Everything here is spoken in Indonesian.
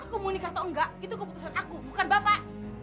aku mau nikah atau enggak itu keputusan aku bukan bapak